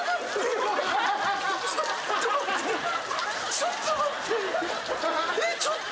ちょっと待って。